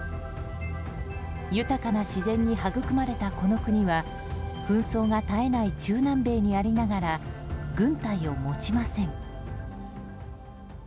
豊かな自然にはぐくまれたこの国は紛争が絶えない中南米にありながら軍隊を持ちません。